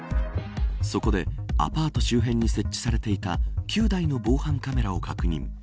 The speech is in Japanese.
そこでアパート周辺に設置されていた９台の防犯カメラを確認。